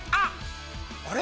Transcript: あれ？